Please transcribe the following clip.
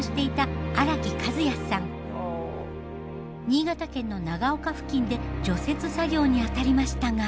新潟県の長岡付近で除雪作業に当たりましたが。